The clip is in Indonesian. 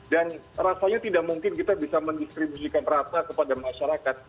dan rasanya tidak mungkin kita bisa mendistribusikan rata kepada masyarakat